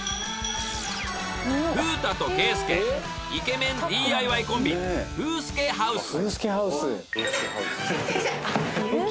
楓太と啓介イケメンＤＩＹコンビフースケハウス。